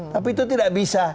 tapi itu tidak bisa